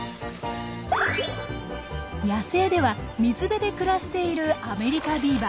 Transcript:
野生では水辺で暮らしているアメリカビーバー。